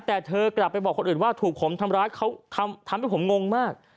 แต่เธอกลับไปบอกคนอื่นว่าถูกผมทำร้ายเขาทำให้ผมงงมาก